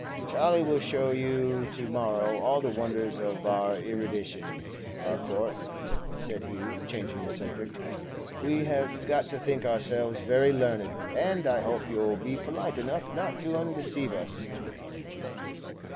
"Charley will show you to morrow all the wonders of our erudition. Harcourt," said he, changing the subject; "we have got to think ourselves very learned, and I hope you 'll be polite enough not to undeceive us."